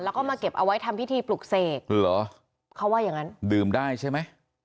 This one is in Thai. แล้วก็มาเก็บเอาไว้ทำพิธีปลุกเสกเหรอเขาว่าอย่างงั้นดื่มได้ใช่ไหม